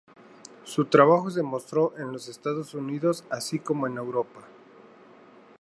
Su trabajo se mostró en los Estados Unidos así como en Europa.